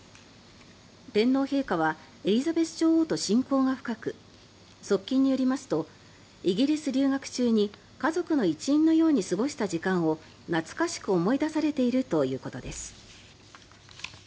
天皇陛下はエリザベス女王と親交が深く側近によりますとイギリス留学中に家族の一員のように過ごした時間を懐かしく思い出されているということです。